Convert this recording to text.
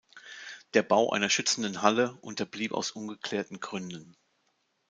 Der Bau einer schützenden Halle unterblieb aus ungeklärten Gründen.